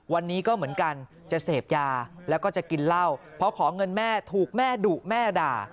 วันนี้ก็เหมือนกันจะเสพยาแล้วก็จะกินเหล้าเพราะขอเงินแม่ถูกแม่ดุแม่ด่า